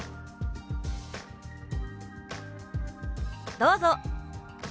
どうぞ！